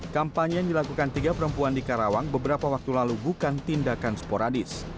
kampanye yang dilakukan tiga perempuan di karawang beberapa waktu lalu bukan tindakan sporadis